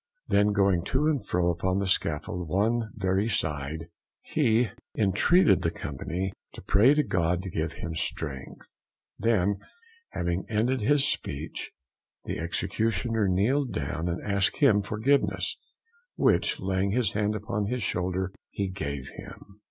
Then going to and fro upon the scaffold one very side, he intreated the company to pray to God to give him strength. Then having ended his speech, the Executioner kneeled down and asked him forgiveness, which laying his hand upon his shoulder he gave him.